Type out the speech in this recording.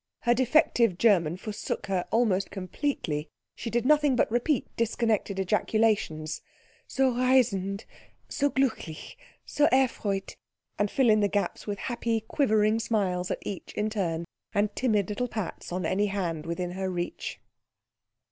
Her defective German forsook her almost completely. She did nothing but repeat disconnected ejaculations, "so reizend so glücklich so erfreut " and fill in the gaps with happy, quivering smiles at each in turn, and timid little pats on any hand within her reach.